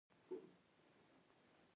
طالب ویل یخ خو به دې نه کېږي.